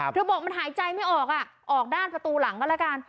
บอกมันหายใจไม่ออกอ่ะออกด้านประตูหลังก็แล้วกัน